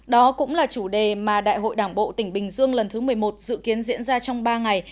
đó cũng là chủ đề mà đại hội đảng bộ tỉnh bình dương lần thứ một mươi một dự kiến diễn ra trong ba ngày